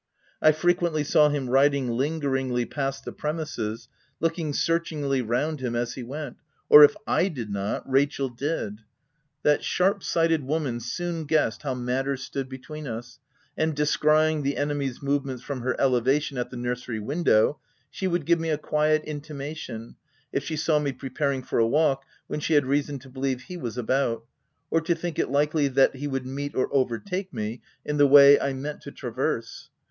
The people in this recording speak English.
I frequently saw him riding lingeringly past the premises, looking searchingly round him cs he went — or if 1 did not, Rachel did. That sharp sighted woman soon guessed how matters stood between us, and descrying the enemy's movements from her elevation at the nursery window, she would give me a quiet intimation, if she saw me preparing for a walk when she had reason to believe he was about, or to think it likely that he would meet or overtake me in the way I meant to traverse.